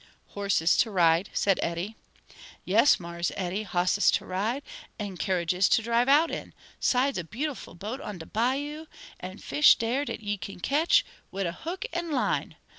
"Horses to ride," said Eddie. "Yes, Mars Eddie, hosses to ride, an' kerridges to drive out in; 'sides a beautiful boat on de bayou, an' fish dere dat you kin ketch wid a hook an' line.